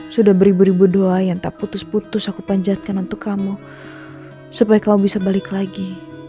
sudah beribu ribu doa yang tak putus putus aku panjatkan untuk kamu supaya kamu bisa balik lagi